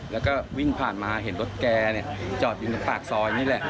แล้วก็วิ่งผ่านมาเห็นรถแกจอดอยู่ปากซอยนี่แหละ